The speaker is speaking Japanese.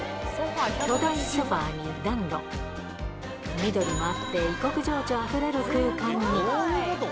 巨大ソファに暖炉、緑もあって異国情緒あふれる空間に。